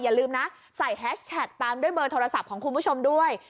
อย่าลืมนะใส่แฮชแท็กตามด้วยเบอร์โทรศัพท์ของคุณผู้ชมด้วย